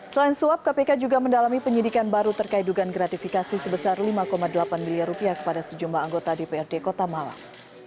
selain suap kpk juga mendalami penyidikan baru terkait dugaan gratifikasi sebesar lima delapan miliar rupiah kepada sejumlah anggota dprd kota malang